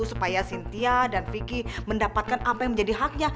supaya sintia dan vicky mendapatkan apa yang menjadi haknya